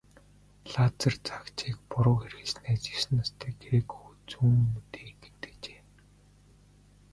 Лазер заагчийг буруу хэрэглэснээс есөн настай грек хүү зүүн нүдээ гэмтээжээ.